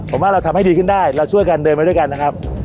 ผมว่าเราทำให้ดีขึ้นได้เราช่วยกันเดินไปด้วยกันนะครับ